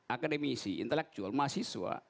akademisi intellectual mahasiswa